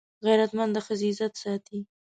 غیرتمند د ښځې عزت ساتي